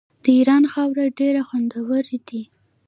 د ایران خواړه ډیر خوندور دي.